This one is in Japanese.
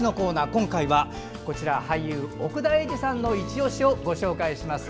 今回は俳優の奥田瑛二さんのいちオシをご紹介します。